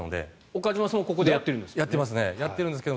岡島さんもここでやってるんですよね。